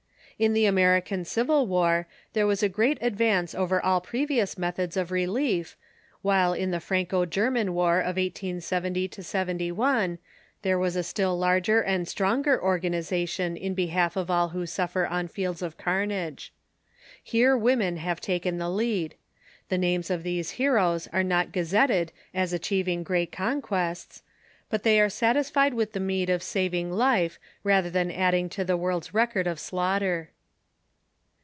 In the American civil war there was a great advance over all previous methods of relief, while in the Franco German war of 1870 71 there was a still larger and stronger organization in behalf of all who suffer on fields of carnage. Here women have taken the lead. The names of these heroes are not gazetted as achieving great conquests; but they are satisfied with the meed of saving life rather than adding to the world's record of slaughter.